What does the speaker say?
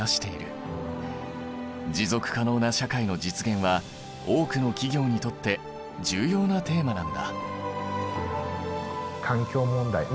持続可能な社会の実現は多くの企業にとって重要なテーマなんだ。